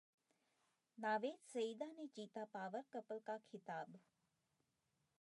नावेद-सईदा ने जीता 'power couple' का खिताब